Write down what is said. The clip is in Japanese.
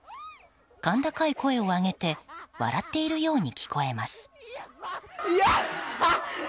甲高い声を上げて笑っているように聞こえます。